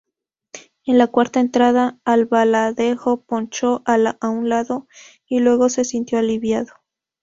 En la cuarta entrada, Albaladejo ponchó a un lado, y luego se sintió aliviado.